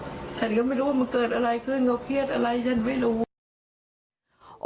ฉันก็ไม่รู้ว่ามันเกิดอะไรขึ้นเขาเครียดอะไรฉันไม่รู้